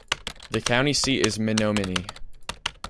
The county seat is Menominee.